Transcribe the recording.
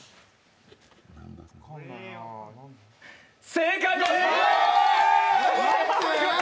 正解です！